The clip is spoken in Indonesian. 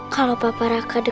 kalau papa raka